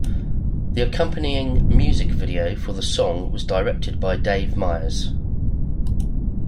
The accompanying music video for the song was directed by Dave Meyers.